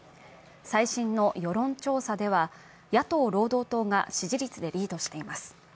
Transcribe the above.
最新の世論調査では、野党・労働党が支持率でリードしています。